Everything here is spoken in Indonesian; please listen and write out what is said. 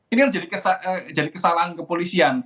ini kan jadi kesalahan kepolisian